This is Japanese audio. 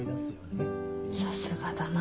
さすがだな。